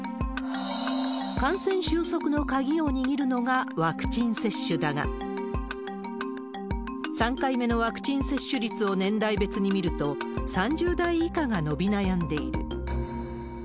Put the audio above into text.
感染収束の鍵を握るのがワクチン接種だが、３回目のワクチン接種率を年代別に見ると、３０代以下が伸び悩んでいる。